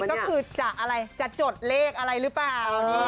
ก็คือจะอะไรจะจดเลขอะไรหรือเปล่า